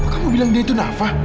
kamu bilang dia itu nafas